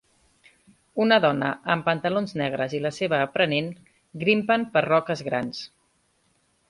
Una dona amb pantalons negres i la seva aprenent, grimpen per roques grans.